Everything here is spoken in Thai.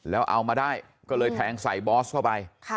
แล้วเอามาได้ก็เลยแทงใส่บอสเข้าไป